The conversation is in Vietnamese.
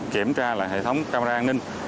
kiểm tra lại hệ thống camera an ninh